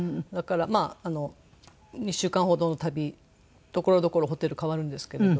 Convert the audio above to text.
まあ１週間ほどの旅ところどころホテル変わるんですけれど。